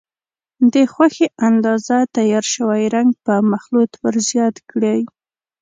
د خوښې اندازه تیار شوی رنګ په مخلوط ور زیات کړئ.